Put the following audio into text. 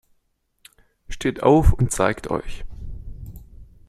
Steht auf und zeigt euch!